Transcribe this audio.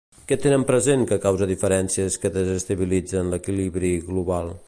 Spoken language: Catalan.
Què tenen present que causa diferències que desestabilitzen l'equilibri global?